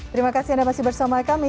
terima kasih anda masih bersama kami